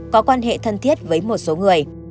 có quan hệ thân thiết với một số người